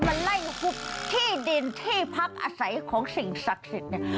มันไล่มาทุบที่ดินที่พักอาศัยของสิ่งศักดิ์สิทธิ์เนี่ย